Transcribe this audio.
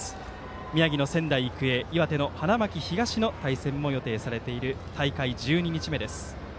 宮城の仙台育英、岩手の花巻東の対戦も予定されている大会１２日目です。